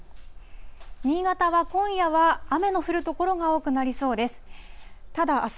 新潟は今夜は、雨の降る所が多くなりそうです。